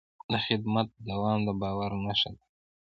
د خدمت دوام د باور نښه ده.